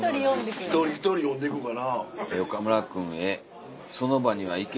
一人一人読んで行くんかな？